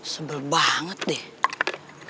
sebel banget deh